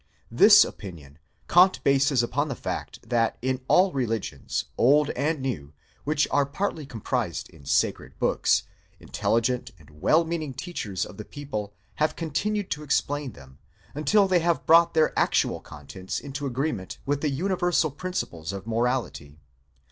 This opinion Kant ' bases upon the fact, that in all religions old and new which are partly comprised in sacred books, intelligent and well meaning teachers of the people have con tinued to explain them, until they have brought their actual contents into agreement with the universal principles of morality.